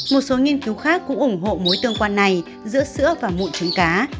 một số nghiên cứu khác cũng ủng hộ mối tương quan này giữa sữa và mụn trứng cá